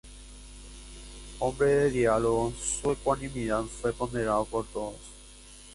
Hombre de diálogo, su ecuanimidad fue ponderada por todos.